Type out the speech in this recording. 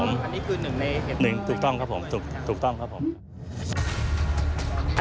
อันนี้คือหนึ่งในเหตุผลครับผมครับผมครับผมครับครับผม